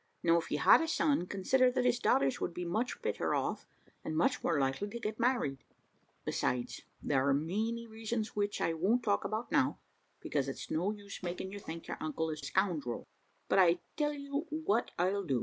Now if he had a son, consider that his daughters would be much better off, and much more likely to get married; besides, there are many reasons which I won't talk about now, because it's no use making you think your uncle to be a scoundrel. But I'll tell you what I'll do.